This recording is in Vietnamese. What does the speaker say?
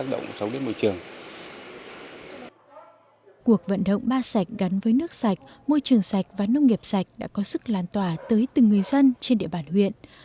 cuộc vận động ba sạch gắn với nước sạch môi trường sạch và nông nghiệp sạch đã có sức lan tỏa tới từng người dân trên địa bàn huyện